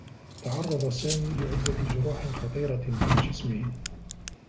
تعرّض سامي لعدّة جروح خطيرة في جسمه.